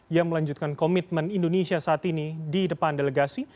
ia melanjutkan komitmen indonesia saat ini di depan delegasi